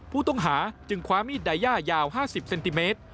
ผู้ต้องหาจึงคว้ามีดไดย่ายาว๕๐เซนติเมตร